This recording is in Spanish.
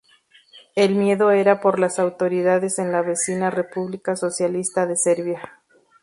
El miedo era por las autoridades en la vecina República Socialista de Serbia.